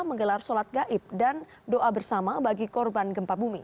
menggelar sholat gaib dan doa bersama bagi korban gempa bumi